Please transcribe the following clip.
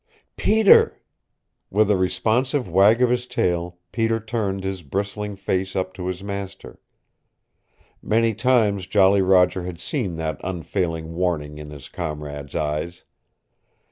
"Peter!" With a responsive wag of his tail Peter turned his bristling face up to his master. Many times Jolly Roger had seen that unfailing warning in his comrade's eyes.